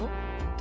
誰？